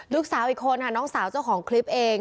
ลูกสาวอีกคนค่ะน้องสาวเจ้าของคลิปเอง